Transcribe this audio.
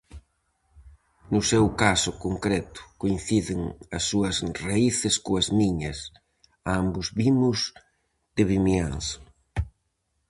No seu caso concreto, coinciden as súas raíces coas miñas, ambos vimos de Vimianzo.